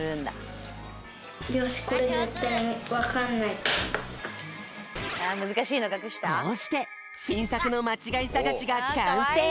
よしこれこうしてしんさくのまちがいさがしがかんせい！